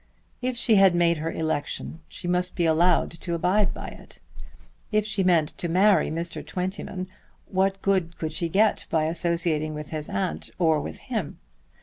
If she had made her election, she must be allowed to abide by it. If she meant to marry Mr. Twentyman what good could she get by associating with his aunt or with him?